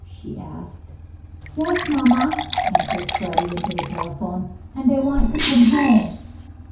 she asked. "Yes, mamma," answered Freddie, into the telephone. "And I want to come home."